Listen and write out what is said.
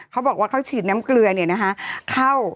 เขาบอกว่าเขาฉีดน้ำเกลือเข้า